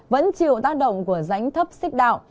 vẫn chịu tác động của rãnh thấp xích đạo